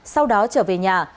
sau đó trở về nhà